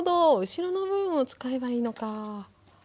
後ろの部分を使えばいいのか。